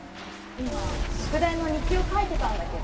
いましゅくだいのにっきをかいてたんだけど。